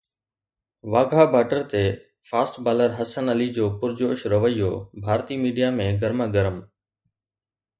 Wagah border تي fast bowler Hasan Ali جو پرجوش رويو ڀارتي ميڊيا ۾ گرما گرم